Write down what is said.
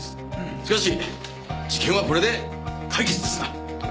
しかし事件はこれで解決ですな。